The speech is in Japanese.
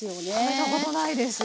えっ食べたことないです。